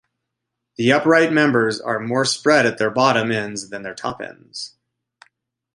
The upright members are more spread at their bottom ends than their top ends.